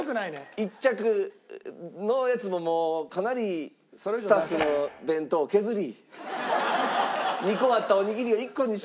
１着のやつももうかなりスタッフの弁当を削り２個あったおにぎりを１個にし。